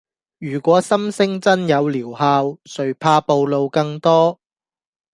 如果心聲真有療效，誰怕暴露更多